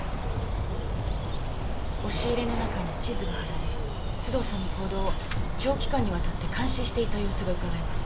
押し入れの中に地図が貼られ須藤さんの行動を長期間にわたって監視していた様子がうかがえます。